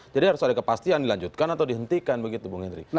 jadi harus ada kepastian dilanjutkan atau dihentikan begitu bung hendri